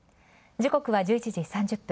時刻は１１時３０分。